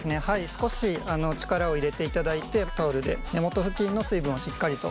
少し力を入れていただいてタオルで根元付近の水分をしっかりと取っていただければと思います。